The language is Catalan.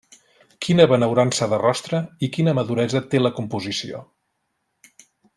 Quina benaurança de rostre, i quina maduresa té la composició.